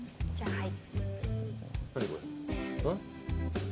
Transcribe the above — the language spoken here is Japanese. はい。